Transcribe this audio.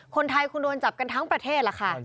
คนไทยคงโดนจับกันทั้งประเทศล่ะค่ะ